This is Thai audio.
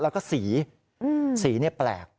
แล้วก็สีสีแปลก